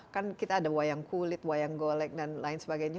kan kita ada wayang kulit wayang golek dan lain sebagainya